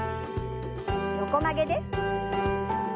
横曲げです。